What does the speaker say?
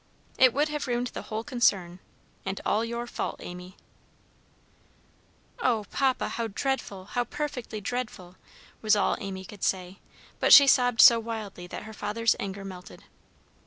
It would have ruined the whole concern, and all your fault, Amy." "Oh, Papa, how dreadful! how perfectly dreadful!" was all Amy could say, but she sobbed so wildly that her father's anger melted.